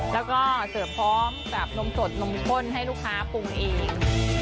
แล้วก็เสิร์ฟพร้อมกับนมสดนมข้นให้ลูกค้าปรุงเอง